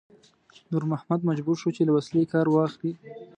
نور محمد مجبور شو چې له وسلې کار واخلي.